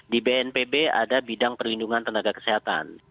di bnpb ada bidang perlindungan tenaga kesehatan